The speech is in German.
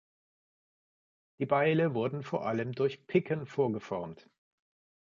Die Beile wurden vor allem durch Picken vorgeformt.